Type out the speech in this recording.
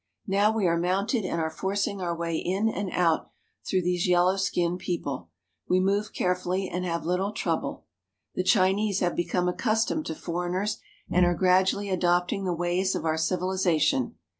Now we are mounted and are forcing our way in and out through these yellow skinned people. We move care fully, and have little trouble. The Chinese have become THE GREAT CAPITAL OF CHINA 125 accustomed to foreigners and are gradually adopting the ways of our civilization.